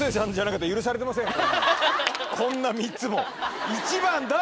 こんな３つも。